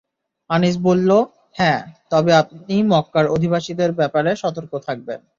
আনীস বলল, হ্যাঁ, তবে আপনি মক্কার অধিবাসীদের ব্যাপারে সতর্ক থাকবেন।